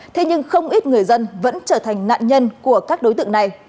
thế nhưng không ít người dân vẫn trở thành nạn nhân của các đối tượng này